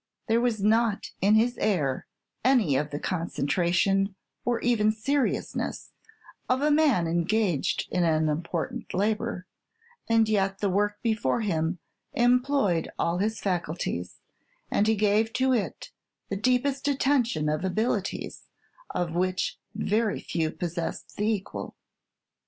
There was not in his air any of the concentration, or even seriousness, of a man engaged in an important labor; and yet the work before him employed all his faculties, and he gave to it the deepest attention of abilities of which very few possessed the equal.